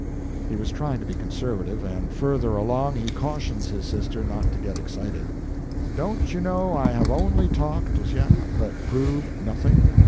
He was trying to be conservative, and further along he cautions his sister not to get excited. "Don't you know I have only talked as yet, but proved nothing?